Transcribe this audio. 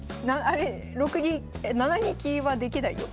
あれ６二７二金はできないよ。